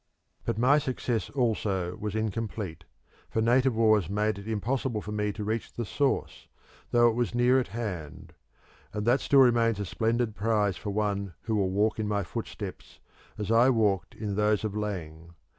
But my success also was incomplete, for native wars made it impossible for me to reach the source, though it was near at hand; and that still remains a splendid prize for one who will walk in my footsteps as I walked in those of Laing.